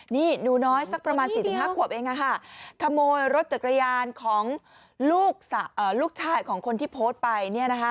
นี่หนูน้อยสักประมาณ๔๕ขวบเองขโมยรถจักรยานของลูกชายของคนที่โพสต์ไปเนี่ยนะคะ